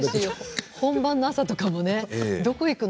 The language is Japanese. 本番の朝とかもねどこに行くの？